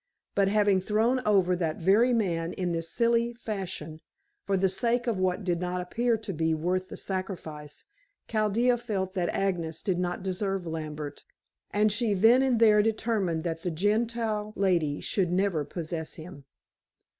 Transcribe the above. But having thrown over that very man in this silly fashion, for the sake of what did not appear to be worth the sacrifice, Chaldea felt that Agnes did not deserve Lambert, and she then and there determined that the Gentile lady should never possess him.